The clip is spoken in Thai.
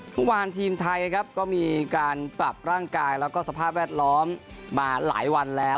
ทุกวันทีมไทยก็มีการปรับร่างกายและสภาพแวดล้อมมาหลายวันแล้ว